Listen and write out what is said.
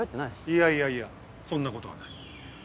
いやいやいやそんなことはない。